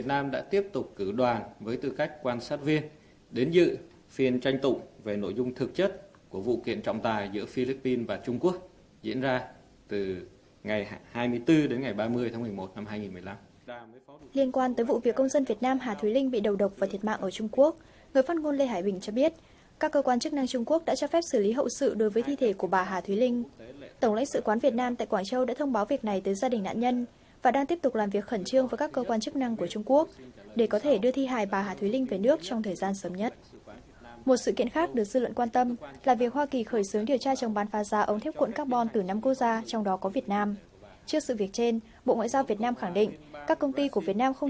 trước sự việc trên bộ ngoại giao việt nam khẳng định các công ty của việt nam không nhận trợ cấp của chính phủ và không bán pha giá ông thép cuộn vào thị trường hoa kỳ